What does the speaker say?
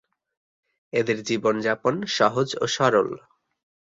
এদের জীবনযাপন সহজ ও সরল।